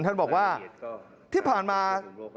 ท่านบอกว่าที่ผ่านมา